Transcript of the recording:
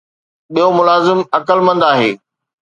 ٻيو ملازم عقلمند آهي